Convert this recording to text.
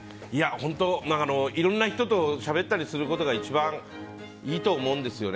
本当、いろんな人としゃべったりするのが一番いいと思うんですよね。